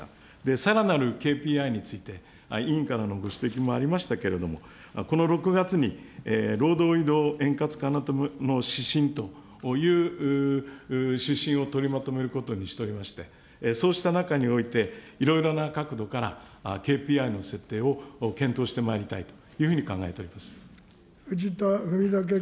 さらなるＫＰＩについて、委員からのご指摘もありましたけれども、この６月に労働移動円滑化のための指針という、指針を取りまとめることにしておりまして、そうした中において、いろいろな角度からＫＰＩの設定を検討してまいりたいというふう藤田文武君。